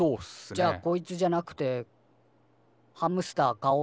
じゃあ「こいつじゃなくてハムスター飼おう」ってことに。